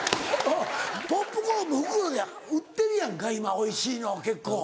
ポップコーンも袋で売ってるやんか今おいしいの結構。